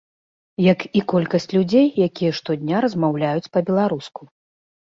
Як і колькасць людзей, якія штодня размаўляюць па-беларуску.